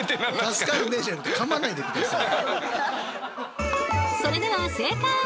「助かるね」じゃなくて噛まないでください。